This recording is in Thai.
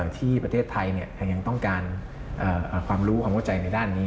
ที่ประเทศไทยยังต้องการความรู้ความเข้าใจในด้านนี้